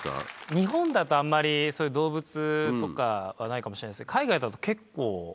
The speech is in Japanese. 日本だとあんまりそういう動物とかはないかもしれないですけど。